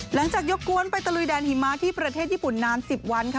ยกกวนไปตะลุยแดนหิมะที่ประเทศญี่ปุ่นนาน๑๐วันค่ะ